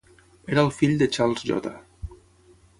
Era el fill de Charles J.